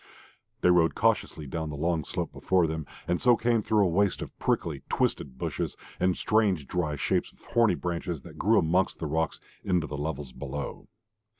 They rode cautiously down the long slope before them, and so came through a waste of prickly, twisted bushes and strange dry shapes of horny branches that grew amongst the rocks, into the levels below.